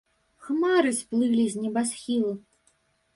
Хмары сплылі з небасхілу.